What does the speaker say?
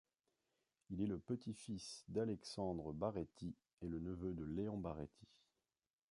Il est le petit-fils d'Alexandre Baréty et le neveu de Léon Baréty.